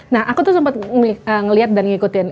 nah aku tuh sempat ngeliat dan ngikutin